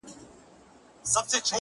• چي پر مځکه به را ولوېږې له پاسه ,